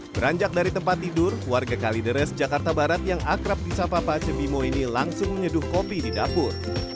beranjak dari tempat tidur warga kalideres jakarta barat yang akrab di sapa pak cebimo ini langsung menyeduh kopi di dapur